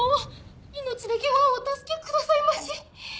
命だけはお助けくださいまし。